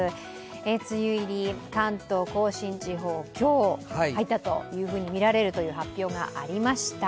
梅雨入り、関東甲信地方、今日、入ったとみられるという発表がありました。